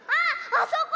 あそこ！